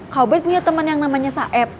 kau baik punya temen yang namanya saeb